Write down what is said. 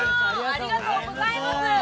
ありがとうございます。